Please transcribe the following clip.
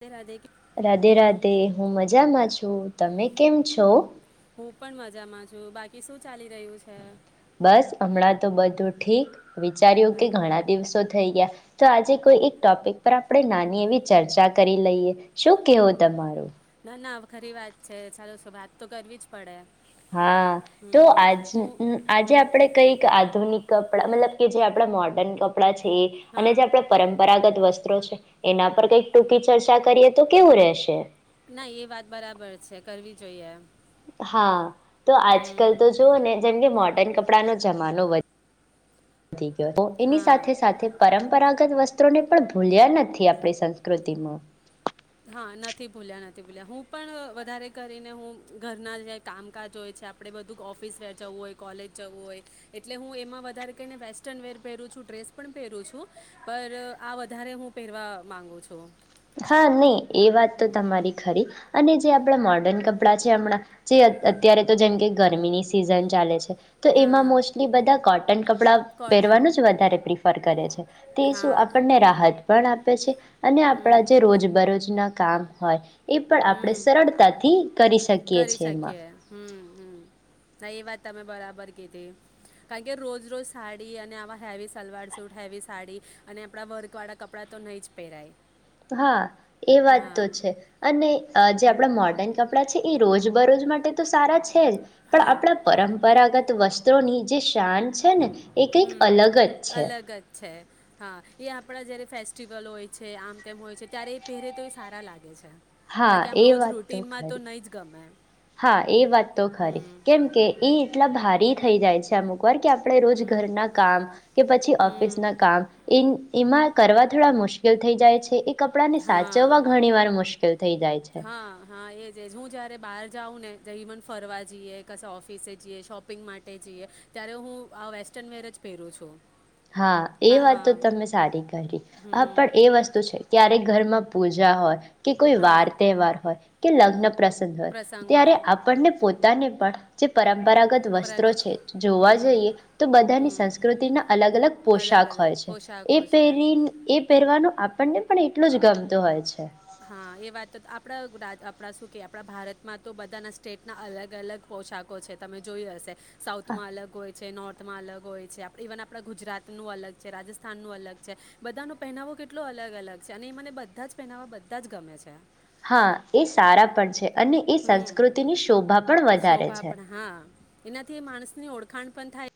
રાધે રાધે રાધે રાધે હું મજ મજામાં છું તમે કેમ છો. હું પણ મજામાં છું બાકી શું ચાલી રહ્યું છે. બસ હમણાં તો બધું ઠીક. વિચાર્યું હા. કે ઘણા દિવસ. થઈ ગયા તો આજે કોઈ એક ટોપિક પર આપણે નાની એવી ચર્ચા કરી લઈએ શું કેવું તમારું. ના ના ખરી વાત છે ચાલો વાત તો કરવી જ પડે. હા તો હમ આજ હું આજે હમ આપણે કઈક આધુનિક. કપડા મતલબ કે જે આપડા મોર્ડર્ન કપડાં છે. તે અને હા જે આપણેે પરંપરાગત વસ્તુ તે એના પર કઈક ટૂંકી ચર્ચા કરીએ તો કેવું રહેશે. ના એ વાત બરાબર છે કરવી જોઈએ એમ હા. તો આજકાલ તો જોઓ ને જેમ કે મોડર્ન કપડાંનો જમાનો વધ નથી તો એની સાથે હા સાથે પરમ પરંપરાગત વસ્ત્રો ને પણ ભૂલ્યા નથી આપણી સંસ્કૃતિમાં હા નથી ભૂલ્યા નથી ભૂલ્યા હું પણ વધારે કરીને હું ઘરના જે કામકાજ હોય છે આપણે બધું ઓફિસ વર જવું હોય કોલેજ જવું હોય એટલે હું એમાં વધારે કહીને વેસ્ટર્ન વેર પહેરું છું ડ્રેસ પણ પહેરું છું પર આ વધારે હું પહેરવા માગું છું હા નહી એ વાત તો તમારી ખરી અને જે આપણા મોર્ડર્ન કપડાં છે હમણાં જે અત્યારે તો જેમ કે ગરમીની સિઝન ચાલે છે. તો એમાં હા મોસ્ટલી બધા કોટન કપડાં કોટન પહેરવાનું જ વધારે પ્રિફર કરે છે તે શું હા આપણને રાહત પણ આપે છે અને હમ આપડા જે રોજ બરોજ ના કામ હોય એ પણ આપણે હમ સરળતાથી કરી શકીએ કરી છીએ એમાં શકીએ હમ હ હ હ એ વાત તમે બરાબર કીધી કારણ કે રોજ રોજ સાડી અને આવા heavy salwar suit heavy sari અને આપણાં વર્કવાળા કપડાં તો નહીં જ પહેરાય હા એ વાત હા તો છે અને જે આપણા મોર્ડર્ન કપડાં છે એ રોજ બરોજ માટે તો સારા છે પણ હા આપણા પરંપરાગત વસ્ત્રોની જે શાન છે ને એ કંઈક અલગ જ હમ છે અલગ જ છે હા એ આપડા જારે ફેસ્ટિવલ હોય છે આમ તેમ હોય છે ત્યારે એ પહેરે તો એ સારા લાગે છે હા બાકી આમ એ રોજ વાત રૂટીનમાં તો ખરી નહી જ ગમે હા એ વાત તો ખરી હમ કેમ કે એ એટલા ભારી થઈ જાય છે અમુકોર ક્યા આપણે રોજ હમ ઘરના કામ કે પછી ઓફિસ હમ ના કામ એમાં કરવા થોડા મુશ્કેલ થઈ જાય છે એક કપડા ને હા સાચવવા ઘણી વાર મુશ્કેલ થઈ જાય છે. હા હા એ જ એ જ હું જ્યારે બહાર જાઉં ને જે ઇમન ફરવા જઈએ કશે ઓફિસે જઈએ શોપિંગ માટે જઈએ ત્યારે હું આ વેસ્ટર્ન વર જ પહેરું છું. હા એ વાત તો તમે સારી કરી [unintelligible] હમ પણ એ વસ્તુ છે ક્યારેક ઘરમાં પૂજા હોય કે કોઈ હા વાર તહેવાર હોય કે લગ પ્રસ હોય પ્રસંગ ત્યારે હોય આપણને પો પોતાને પણ જે પરપરા પરંપરાગત પ્રક વસ્ત્રો છે જોવા હમ જઈએ તો બધાની હમ સંસ્કૃતિના અલગ અલગ પોશાક અલગ હોય છે પોશાકો એ છે પેરી એ પહેરવાનું આપણને પણ એટલું જ ગમતું હોય છે હા એ વાત તો આપણા આપણા શું કે આપણા ભારતમાં તો બધાના સ્ટેટના અલગ અલગ પોશાકો છે તમે જોઈ હશે સાઉથમાં અલગ હોય છે નોર્થમાં અલગ હોય છે ઇવન આપણા ગુજરાતનું અલગ નું અલગ છે રાજસ્થાનનું અલગ છે બધાનો પહેનાવો કેટલો અલગ અલગ છે અને એ મને બધા જ પહેનાવવા બધા બધાજ ગમે છે હા એ સારા પણ છે અને એ હમ સંસ્કૃતિ ની શોભા પણ વધારે શોભા છે પણ હા એનાથી એ માણસની ઓળખાણ પણ થાય